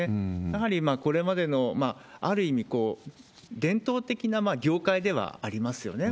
やはりこれまでの、ある意味、伝統的な業界ではありますよね。